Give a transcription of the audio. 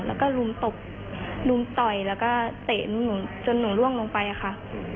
แล้วก็ลุมตบรุมต่อยแล้วก็เตะหนูจนหนูล่วงลงไปอะค่ะ